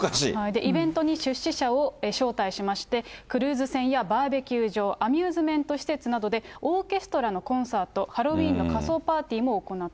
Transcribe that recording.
イベントに出資者を招待しまして、クルーズ船やバーベキュー場、アミューズメント施設などでオーケストラのコンサート、ハロウィーンの仮装パーティーも行った。